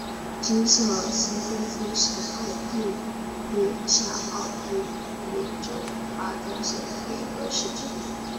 金瑟尔斯多夫是奥地利下奥地利州巴登县的一个市镇。